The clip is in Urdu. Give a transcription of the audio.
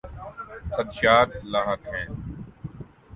خدشات لاحق ہیں۔